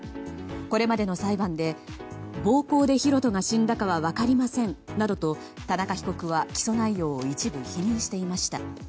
これまでの裁判で暴行で大翔が死んだかは分かりませんと田中被告は、起訴内容を一部否認していました。